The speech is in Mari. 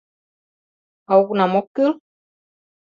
— А окнам ок кӱл?